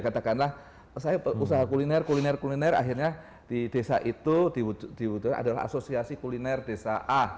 katakanlah saya usaha kuliner kuliner kuliner akhirnya di desa itu dibutuhkan adalah asosiasi kuliner desa a